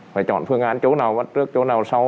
phải chọn phương án chỗ nào bắt trước chỗ nào sau